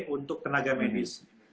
untuk tenaga medis